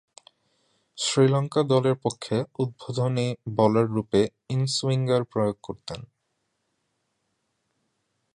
শ্রীলঙ্কা দলের পক্ষে উদ্বোধনী বোলাররূপে ইন-সুইঙ্গার প্রয়োগ করতেন।